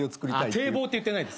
堤防って言ってないです。